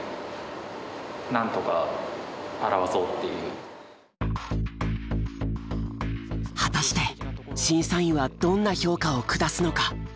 一番果たして審査員はどんな評価を下すのか？